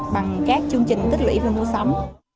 bằng các chương trình tích lũy về mua sắm